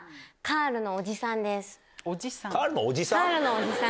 カールのおじさん。